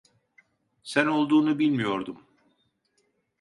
Sen olduğunu bilmiyordum.